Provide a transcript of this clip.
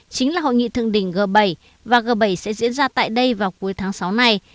chính là hội nghị thượng đỉnh g bảy và g bảy sẽ diễn ra tại đây vào cuối tháng sáu này